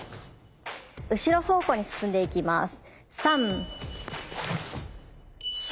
後ろ方向に進んでいきます。